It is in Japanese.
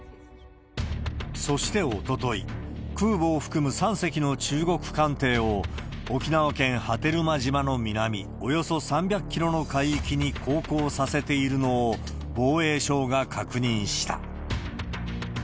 そしておととい、空母を含む３隻の中国艦艇を、沖縄県波照間島の南およそ３００キロの海域に航行させているのを防衛省が確認した。